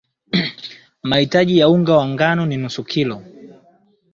mahitaji ya unga wa ngano ni nusu kilo